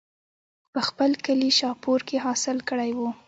پۀ خپل کلي شاهپور کښې حاصل کړے وو